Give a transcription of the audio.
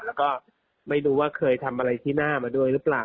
แล้วก็ไม่รู้ว่าเคยทำอะไรที่หน้ามาด้วยหรือเปล่า